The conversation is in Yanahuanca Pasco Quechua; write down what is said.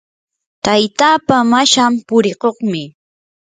taytapaa mashan purikuqmi.